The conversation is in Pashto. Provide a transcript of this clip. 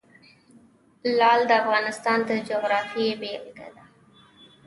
لعل د افغانستان د جغرافیې بېلګه ده.